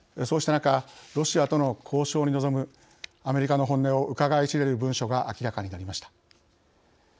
そうした中ロシアとの交渉に臨むアメリカの本音をうかがい知れる文書が明らかになりました。